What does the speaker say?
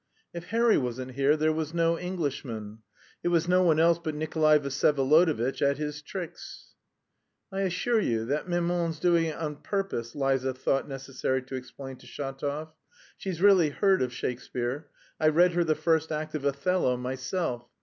"If Harry wasn't here, there was no Englishman. It was no one else but Nikolay Vsyevolodovitch at his tricks." "I assure you that maman's doing it on purpose," Liza thought necessary to explain to Shatov. "She's really heard of Shakespeare. I read her the first act of Othello myself.